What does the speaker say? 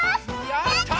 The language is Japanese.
やった！